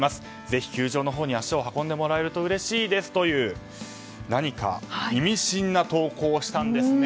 ぜひ、球場のほうに足を運んでもらえるとうれしいですという何か、意味深な投稿をしたんですね。